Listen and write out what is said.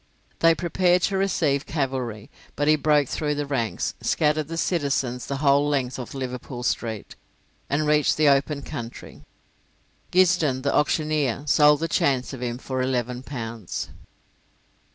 They prepared to receive cavalry, but he broke through the ranks, scattered the citizens the whole length of Liverpool Street, and reached the open country. Guisden, the auctioneer, sold the chance of him for eleven pounds.